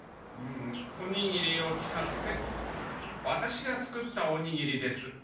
おにぎりを使ってワタシが作ったおにぎりです。